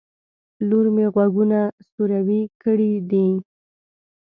لور مې غوږونه سوروي کړي دي